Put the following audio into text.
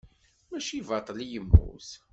Mačči baṭel i yemmut.